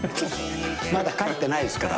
まだ帰ってないですから。